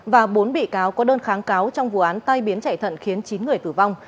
và bốn bị cáo có đơn kháng cáo trong vụ án tai biến chạy thận khiến chín người tử vong